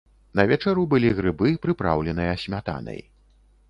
На вячэру былі грыбы, прыпраўленыя смятанай.